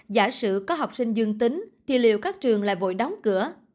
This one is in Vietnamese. giả sử có học sinh dương tính thì liệu các trường lại vội đóng cửa